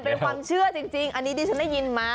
เป็นความเชื่อจริงอันนี้ดิฉันได้ยินมา